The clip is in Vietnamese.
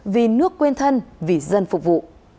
vì nước quên thân vì dân phục vụ